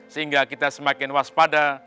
sehingga kita semakin waspada